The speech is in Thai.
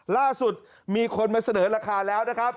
ล่าสุดมีคนมาเสนอราคาแล้วนะครับ